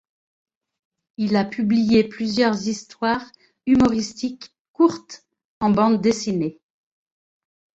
Il a publie plusieurs histoires humoristiques courtes en bandes dessinées.